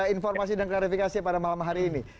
informasi dan klarifikasi pada malam hari ini